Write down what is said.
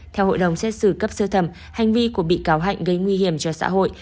theo hội đồng xét xử cấp sơ thẩm hành vi của bị cáo hạnh gây nguy hiểm cho xã hội